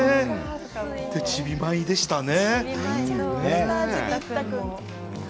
ちび舞でしたね。